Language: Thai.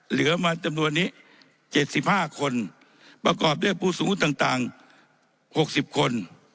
เหลือมาจำนวนนี้๗๕คนประกอบด้วยผู้สูงต่าง๖๐คน